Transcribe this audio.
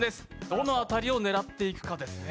どの辺りを狙っていくかですね。